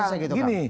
nah sekarang gini